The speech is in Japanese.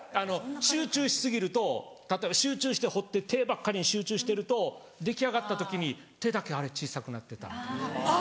集中し過ぎると例えば集中して彫って手ばっかりに集中してると出来上がった時に手だけあれ小さくなってたみたいな。